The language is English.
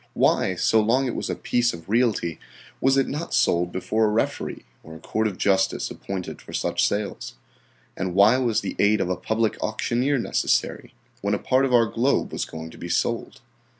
Why, so long as it was a piece of realty, was it not sold before a referee or a court of justice appointed for such sales? And why was the aid of a public auctioneer necessary when a part of our globe was going to be sold?